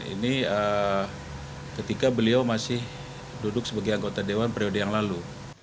ini ketika beliau masih duduk sebagai anggota dewan periode yang lalu